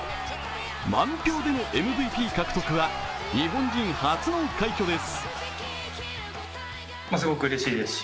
満票でのＭＶＰ獲得は日本人初の快挙です。